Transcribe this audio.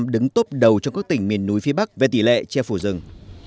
đứng tốt đầu trong các tỉnh miền núi phía bắc về tỷ lệ che phổ rừng